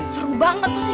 seru banget pasti